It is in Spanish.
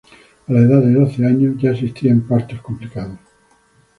A la edad de doce años, ya asistía en partos complicados.